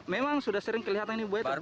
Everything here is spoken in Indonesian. memang sudah sering kelihatan ini buaya